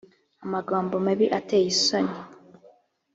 amagambo mabi ateye isoni